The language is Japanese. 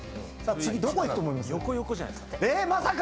横横じゃないですか？